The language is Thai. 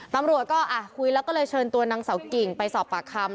ตำรวจก็คุยแล้วก็เลยเชิญตัวนางเสากิ่งไปสอบปากคำ